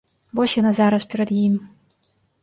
Вось яна зараз перад ім.